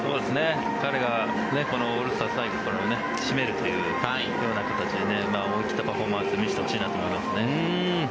彼がこのオールスターの最後を締めるというような形で思い切ったパフォーマンスを見せてほしいなと思います。